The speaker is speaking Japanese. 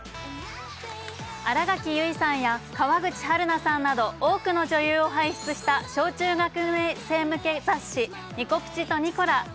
新垣結衣さんや川口春奈さんなど多くの女優を輩出した小中学生向け雑誌「ニコ☆プチ」と「ニコラ」